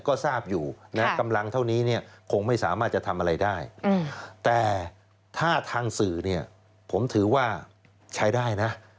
ก็ทราบอยู่นะกำลังเท่านี้คงไม่สามารถจะทำอะไรได้